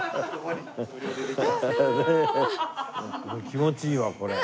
気持ちいいわこれ。